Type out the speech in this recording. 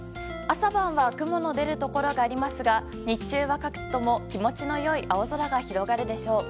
朝晩は雲の出るところがありますが日中は各地とも気持ちの良い青空が広がるでしょう。